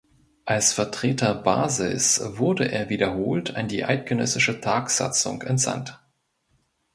Als Vertreter Basels wurde er wiederholt an die eidgenössische Tagsatzung entsandt.